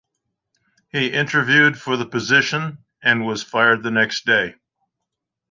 He interviewed for the position, and was fired the next day.